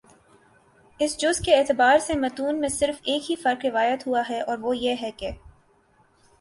اس جز کے اعتبار سے متون میں صرف ایک ہی فرق روایت ہوا ہے اور وہ یہ ہے کہ